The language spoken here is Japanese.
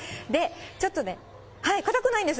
ちょっとね、硬くないんです。